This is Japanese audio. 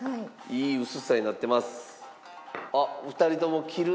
いい薄さになってます。